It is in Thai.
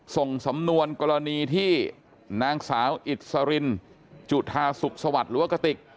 ส่งสำนวนกรณีที่นางสาวอิทธิ์สารินจุธาสุขสวรรค์